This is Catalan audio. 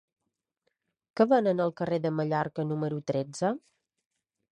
Què venen al carrer de Mallorca número tretze?